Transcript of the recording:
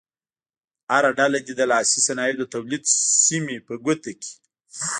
هره ډله دې د لاسي صنایعو د تولید سیمې په ګوته کړي.